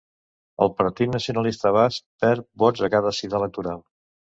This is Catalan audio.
El Partit Nacionalista Basc perd vots a cada cita electoral